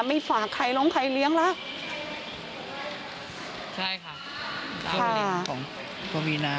ไม่ฝากใครลองใครเลี้ยงแหละ